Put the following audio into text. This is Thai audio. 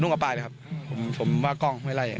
นุ่มกว่าปลายนะครับผมว่ากล้องไม่ไล่